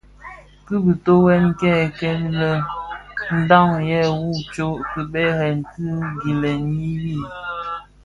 Ki bitughe kè kikilèn ndhaň yè ňu a tsok kibèrèn ki gilèn yin,